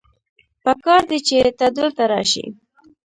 پکار دی چې ته دلته راشې